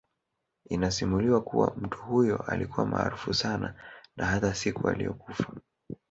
Inasimuliwa kuwa mtu huyo alikuwa maaraufu sana na hata siku ailiyokufa